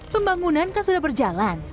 pembangunan kan sudah berjalan